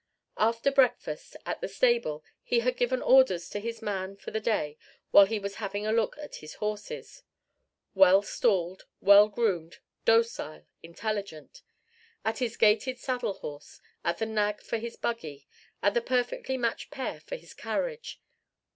After breakfast, at the stable, he had given orders to his man for the day while he was having a look at his horses well stalled, well groomed, docile, intelligent: at his gaited saddle horse, at the nag for his buggy, at the perfectly matched pair for his carriage.